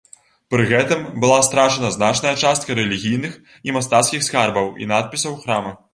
Пры гэтым была страчана значная частка рэлігійных і мастацкіх скарбаў і надпісаў храма.